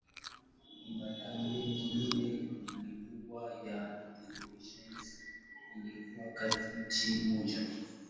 Ni mitandao minne mikubwa ya televisheni iliyo katika nchi moja.